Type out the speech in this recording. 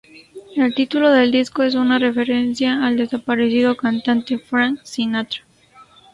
El título del disco es una referencia al desaparecido cantante Frank Sinatra.